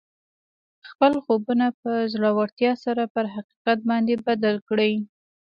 خپل خوبونه په زړورتیا سره پر حقیقت باندې بدل کړئ